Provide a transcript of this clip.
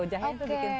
jahenya itu bikin